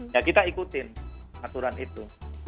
ya kita ikutin aturan itu